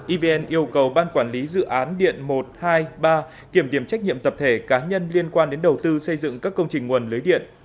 evn yêu cầu ban quản lý dự án điện một trăm hai mươi ba kiểm điểm trách nhiệm tập thể cá nhân liên quan đến đầu tư xây dựng các công trình nguồn lưới điện